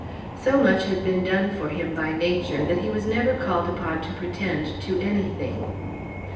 So much had been done for him by nature that he was never called upon to pretend to anything.